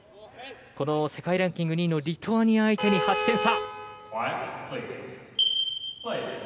世界ランキング２位のリトアニアに８点差。